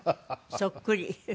そっくり。